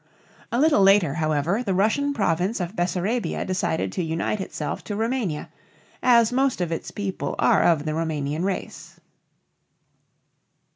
A little later, however, the Russian province of Bessarabia decided to unite itself to Roumania, as most of its people are of the Roumanian race.